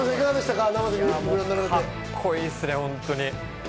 カッコいいっすね、本当に。